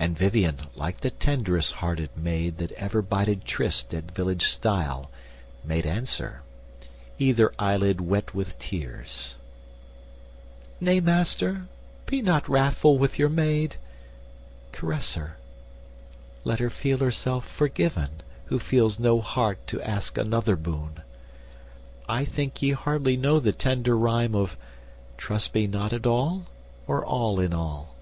And Vivien, like the tenderest hearted maid That ever bided tryst at village stile, Made answer, either eyelid wet with tears: "Nay, Master, be not wrathful with your maid; Caress her: let her feel herself forgiven Who feels no heart to ask another boon. I think ye hardly know the tender rhyme Of 'trust me not at all or all in all.